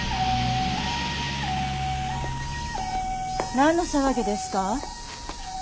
何の騒ぎですか？